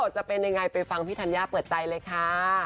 จะเป็นยังไงไปฟังพี่ธัญญาเปิดใจเลยค่ะ